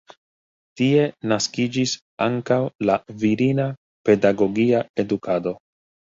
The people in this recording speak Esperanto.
Tie naskiĝis ankaŭ la virina pedagogia edukado.